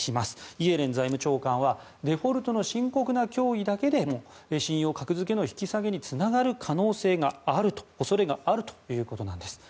イエレン財務長官はデフォルトの深刻な脅威だけで信用格付けの引き下げにつながる恐れがあるということなんです。